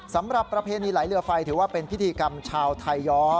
สำหรับประเภทนี้ไหลเรือไฟถือว่าเป็นพิธีกรรมชาวไทยอ๋